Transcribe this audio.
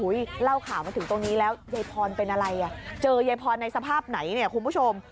เล่าข่าวมาถึงตรงนี้แล้วยายพรเป็นอะไรอ่ะเจอยายพรในสภาพไหนเนี่ยคุณผู้ชม